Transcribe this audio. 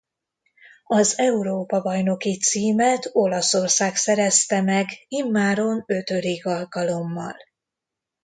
Az Európa-bajnoki címet Olaszország szerezte meg immáron ötödik alkalommal.